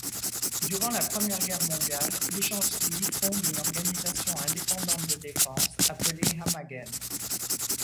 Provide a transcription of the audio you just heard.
Durant la Première Guerre mondiale, Lishansky fonde une organisation indépendante de défense appelée Hamaguen.